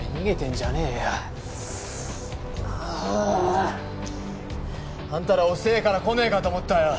ああっ！あんたら遅えから来ねえかと思ったよ。